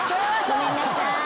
ごめんなさい。